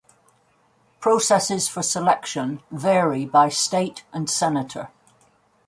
Processes for selection vary by state and senator.